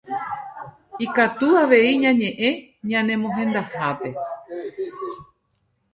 Ikatu avei ñañe'ẽ ñane mohendahápe